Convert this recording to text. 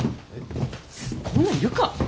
こんなん要るか？